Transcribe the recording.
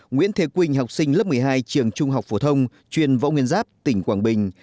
nguyễn thế quynh học sinh lớp một mươi hai trường trung học phổ thông chuyên võ nguyên giáp tỉnh quảng bình